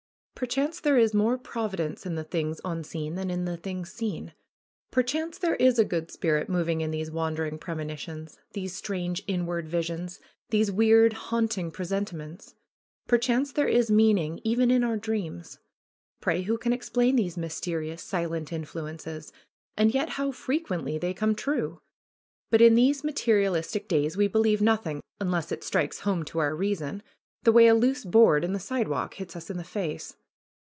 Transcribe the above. Perchance there is more Providence in the things un seen than in the things seen. Perchance there is a good spirit moving in these wandering premonitions, these strange inward visions, these weird, haunting presenti ments. Perchance there is meaning even in our dreams. Pray, who can explain these mysterious, silent influ ences ? And yet how frequently they come true ! But in these materialistic days we believe nothing, unless it strikes home to our reason, the way a loose board in the sidewalk hits us in the face.